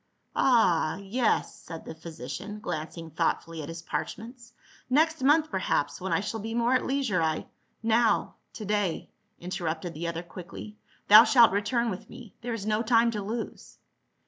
"Ah — yes," said the physician, glancing thoughtfully at his parchments, " next month, perhaps, when I shall be more at leisure, I —"" Now, to day," interrupted the other quickly. "Thou shalt return with me. There is no time to lose."